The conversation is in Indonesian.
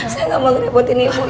saya nggak mau ngerepotin ibu ya bu